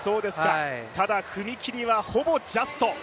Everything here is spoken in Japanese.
ただ踏み切りはほぼジャスト。